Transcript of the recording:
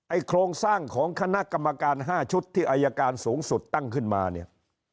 โครงสร้างของคณะกรรมการ๕ชุดที่อายการสูงสุดตั้งขึ้นมาเนี่ย